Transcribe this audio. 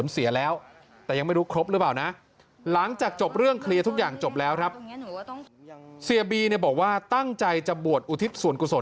เสียบีเนี่ยบอกว่าตั้งใจจะบวชอุทิศส่วนกุศล